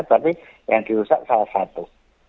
tapi yang dirusak salah satu